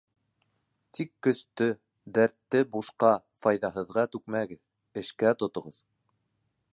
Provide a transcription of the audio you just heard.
Тик көстө, дәртте бушҡа, файҙаһыҙға түкмәгеҙ, эшкә тотоғоҙ.